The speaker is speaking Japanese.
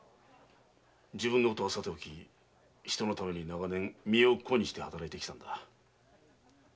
自分のことはさておき人のために長年身を粉にして働いてきたんだ。